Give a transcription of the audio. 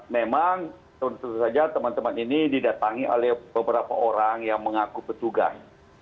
memang tentu saja teman teman ini didatangi oleh beberapa orang yang mengaku petugas